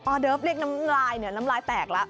เดิฟเรียกน้ำลายเนี่ยน้ำลายแตกแล้ว